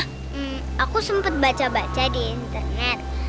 hmm aku sempat baca baca di internet